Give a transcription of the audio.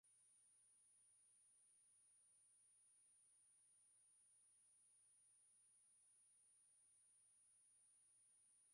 wa wanyama hawa wasije toweka kabisa hata kwenye nchi walizo salia